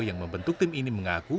yang membentuk tim ini mengaku